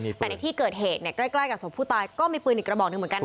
แต่ในที่เกิดเหตุเนี่ยใกล้ใกล้กับศพผู้ตายก็มีปืนอีกกระบอกหนึ่งเหมือนกันนะ